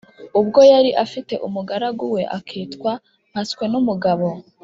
ubwo yari afite umugaragu we akitwa mpatswenumugabo,